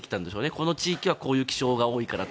この地域はこういう気象だからと。